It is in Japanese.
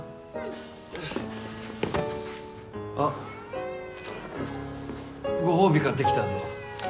あっご褒美買ってきたぞ